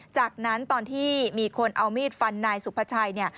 จากนั้นตอนที่มีคนเอามีดฟันนายสุภาชัยเนี่ย